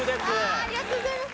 ありがとうございます。